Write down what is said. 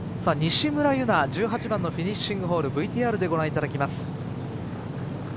西村優菜１８番のフィニッシングホールＶＴＲでご覧いただきます。